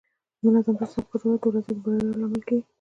منظم تقسیم اوقات درلودل د ورځې د بریا لامل کیږي.